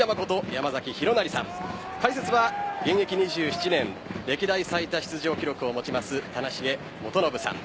山崎弘也さん解説は現役２７年歴代最多出場記録を持ちます谷繁元信さん